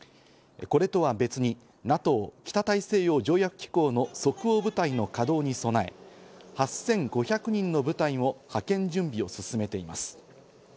これとは別にＮＡＴＯ＝北大西洋条約機構の即応部隊の稼動に備え、８５００人の部隊も派遣準備を進めています。